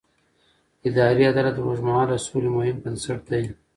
اداري عدالت د اوږدمهاله سولې مهم بنسټ دی